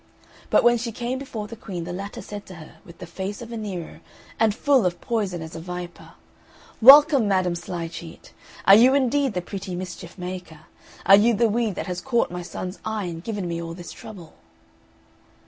But when she came before the Queen, the latter said to her, with the face of a Nero, and full of poison as a viper, "Welcome, Madam Sly cheat! Are you indeed the pretty mischief maker? Are you the weed that has caught my son's eye and given me all this trouble."